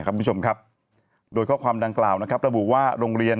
คุณผู้ชมครับโดยข้อความดังกล่าวนะครับระบุว่าโรงเรียน